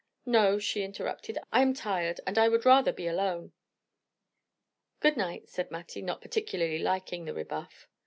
"No," she interrupted; "I am tired, and I would rather be alone." "Good night," said Mattie, not particularly liking the rebuff.